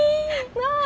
なあ。